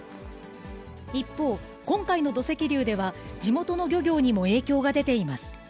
一方、今回の土石流では、地元の漁業にも影響が出ています。